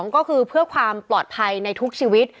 ก็คือเพื่อความปลอดภัยในทุกชีวิต